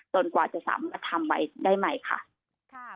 กว่าจะสามารถทำไว้ได้ใหม่ค่ะ